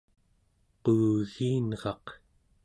quugiinraq